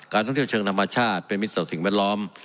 ท่องเที่ยวเชิงธรรมชาติเป็นมิตรต่อสิ่งแวดล้อม